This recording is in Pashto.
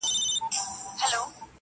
• تر دې ډنډه یو کشپ وو هم راغلی -